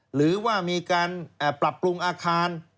หรือว่ามีการปรับปรุงอาคาร